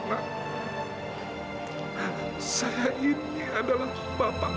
mak saya ini adalah bapak adikmu